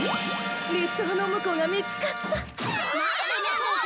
理想の婿が見つかった。